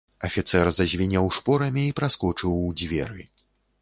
Афіцэр зазвінеў шпорамі і праскочыў у дзверы.